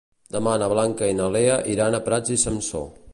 Demà na Blanca i na Lea iran a Prats i Sansor.